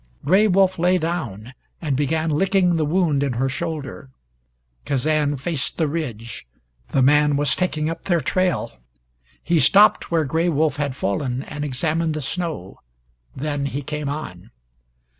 Gray Wolf lay down, and began licking the wound in her shoulder. Kazan faced the ridge. The man was taking up their trail. He stopped where Gray Wolf had fallen, and examined the snow. Then he came on.